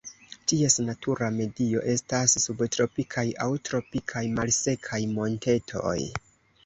Ties natura medio estas subtropikaj aŭ tropikaj malsekaj montetoj.